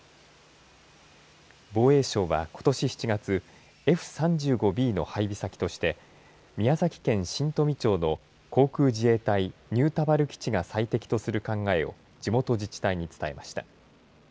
防衛省はことし７月、Ｆ３５Ｂの配備先として宮崎県新富町の航空自衛隊新田原基地が最適とする考えを地元自治体に伝えました。